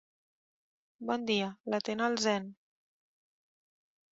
Bon dia, l'atén el Zen.